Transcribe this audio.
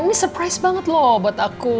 ini surprise banget loh buat aku